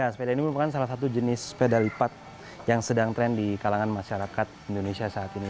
sepeda ini merupakan salah satu jenis sepeda lipat yang sedang tren di kalangan masyarakat indonesia saat ini